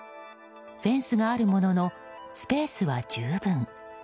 フェンスがあるもののスペースは十分。